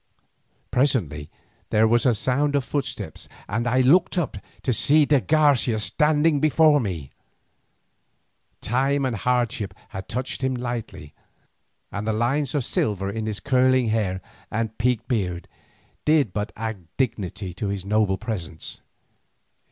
Presently there was a sound of footsteps and I looked up to see de Garcia standing before me. Time and hardship had touched him lightly, and the lines of silver in his curling hair and peaked beard did but add dignity to his noble presence.